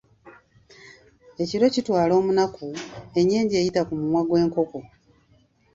Ekiro kitwala omunaku, ennyenje eyita ku mumwa gw’enkoko.